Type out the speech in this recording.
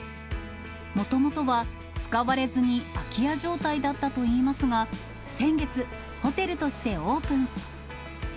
もともとは使われずに空き家状態だったといいますが、先月、ホテルとしてオープン。